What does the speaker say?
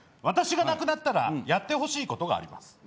私が亡くなったらやってほしいことがあります。